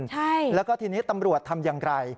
ใช่แล้วก็ทีนี้ตำรวจทำอย่างไร